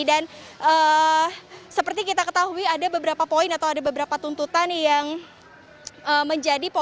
dan seperti kita ketahui ada beberapa poin atau ada beberapa tuntutan yang menjadi poin atau menjadi soal